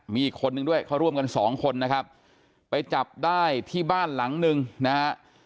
มีอีกคนนึงด้วยเขาร่วมกันสองคนนะครับไปจับได้ที่บ้านหลังหนึ่งนะฮะ